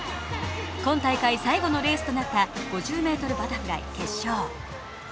今大会最後のレースとなった５０ｍバタフライ決勝。